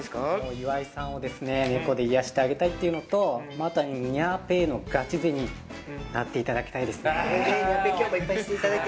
岩井さんをネコで癒やしてあげたいというのをあとにゃーＰａｙのガチ勢になっていただきたいですね。